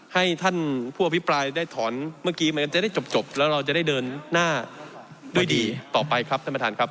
ให้ท่านผู้อภิปรายได้ถอนเมื่อกี้มันจะได้จบแล้วเราจะได้เดินหน้าด้วยดีต่อไปครับท่านประธานครับ